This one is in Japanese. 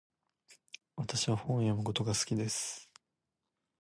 私は本を読むことが好きです。